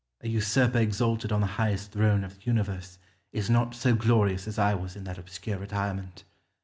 Scipio. A usurper exalted on the highest throne of the universe is not so glorious as I was in that obscure retirement.